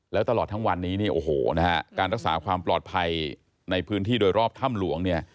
แล้วตลอดทั้งวันนี้เนี่ยโอ้โหนะฮะการรักษาความปลอดภัยในพื้นที่โดยรอบถ้ำหลวงเนี่ย